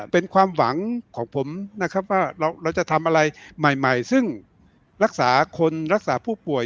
เป็นความหวังของผมนะครับว่าเราจะทำอะไรใหม่ซึ่งรักษาคนรักษาผู้ป่วย